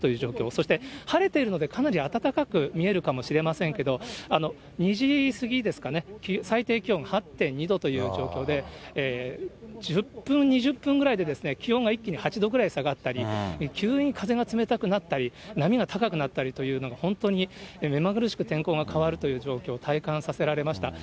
そして晴れているので、かなり暖かく見えるかもしれませんけど、２時過ぎですかね、最低気温８．２度という状況で、１０分、２０分ぐらいで気温が一気に８度ぐらい下がったり、急に風が冷たくなったり、波が高くなったりというのが、本当に目まぐるしく天候が変わるという状況、体感させられました。